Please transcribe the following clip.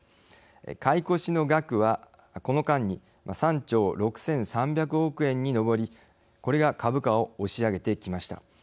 買い越しの額はこの間に３兆６３００億円に上りこれが株価を押し上げてきました。